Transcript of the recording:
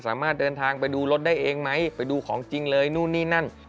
สามารถเดินทางไปดูรถได้เองไหมไปดูของจริงเลยนู่นนี่นั่น